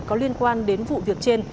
có liên quan đến vụ việc chế